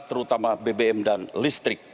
terutama bbm dan listrik